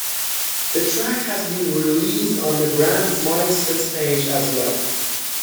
The track has been released on the band's Myspace page as well.